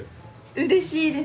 うれしいです。